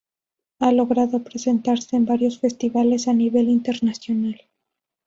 Ha logrado presentarse en varios festivales a nivel internacional.